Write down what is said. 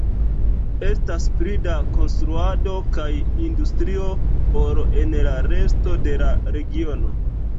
Estas pli da konstruado kaj industrio ol en la resto de la regiono.